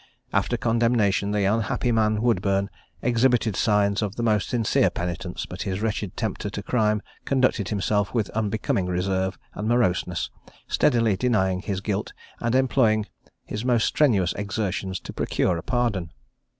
After condemnation, the unhappy man Woodburne exhibited signs of the most sincere penitence; but his wretched tempter to crime conducted himself with unbecoming reserve and moroseness, steadily denying his guilt, and employing his most strenuous exertions to procure a pardon.